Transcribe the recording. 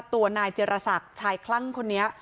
ตัวนายเจรศักดิ์ชายคลั่งคนนี้